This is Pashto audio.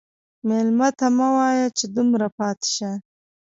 مېلمه ته مه وایه چې دومره پاتې شه.